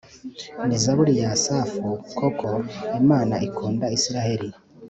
ni zaburi ya asafu.koko, imana ikunda israheli